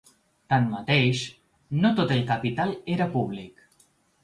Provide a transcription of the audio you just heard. Tanmateix, no tot el capital era públic.